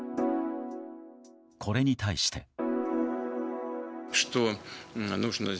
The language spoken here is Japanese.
これに対して。